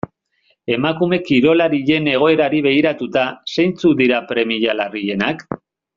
Emakume kirolarien egoerari begiratuta, zeintzuk dira premia larrienak?